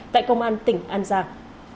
tại công an tỉnh an giang